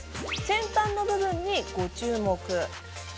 先端の部分にご注目！